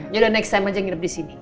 yaudah next time aja nginep di sini